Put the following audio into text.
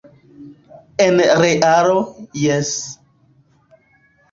En realo, jes.